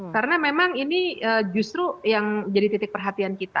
karena memang ini justru yang jadi titik perhatian kita